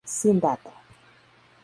Sin dato.